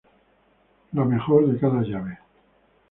El mejor de cada llave.